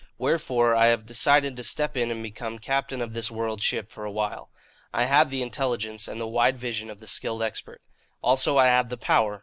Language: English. "Wherefore I have decided to step in and become captain of this world ship for a while. I have the intelligence and the wide vision of the skilled expert. Also, I have the power.